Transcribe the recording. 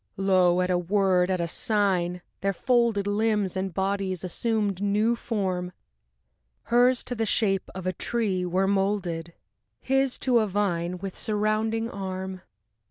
VII Lo! at a word, at a sign, their folded Limbs and bodies assumed new form, Hers to the shape of a tree were molded, His to a vine with surrounding arm....